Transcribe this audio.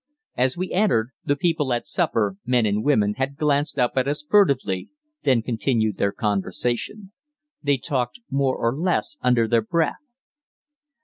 As we entered, the people at supper, men and women, had glanced up at us furtively, then continued their conversation. They talked more or less under their breath.